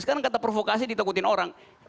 sekarang kata provokasi ditakutin orang